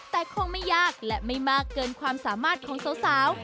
แต่คงไม่ยากและไม่มากเกินความสามารถของสาว